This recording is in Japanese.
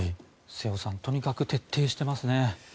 瀬尾さんとにかく徹底してますね。